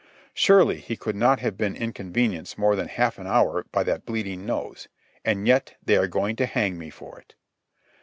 Surely, he could not have been inconvenienced more than half an hour by that bleeding nose; and yet they are going to hang me for it.